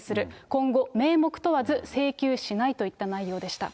今後、名目問わず請求しないといった内容でした。